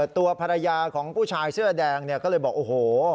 ตัวภรรยาของผู้ชายเสื้อแดงเนี่ยก็เลยบอกโอ้โห